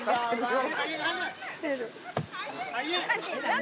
何？